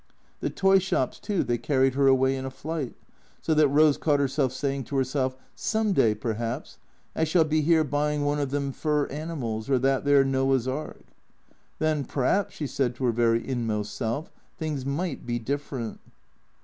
The toy shops, too, they carried her away in a flight ; so that Rose caught herself saying to herself, " Some day, perhaps, I shall be here buying one of them fur animals, or that there Noah's ark." Then, p'raps, she said to her very inmost self, things might be different.